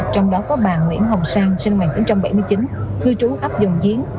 trong đó có bà nguyễn hồng sang sinh năm một nghìn chín trăm bảy mươi chín cư trú ấp dùng chiến